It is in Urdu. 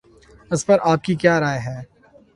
اس پر آپ کی کیا رائے ہے؟